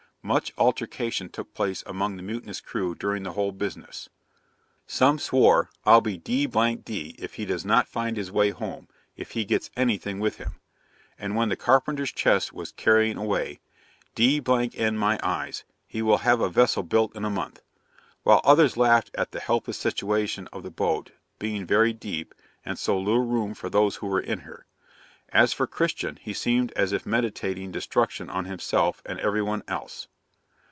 'Much altercation took place among the mutinous crew during the whole business: some swore "I'll be d d if he does not find his way home, if he gets anything with him"; and when the carpenter's chest was carrying away, "D n my eyes, he will have a vessel built in a month"; while others laughed at the helpless situation of the boat, being very deep, and so little room for those who were in her. As for Christian, he seemed as if meditating destruction on himself and every one else.